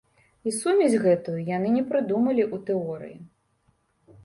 І сумесь гэту яны не прыдумалі ў тэорыі.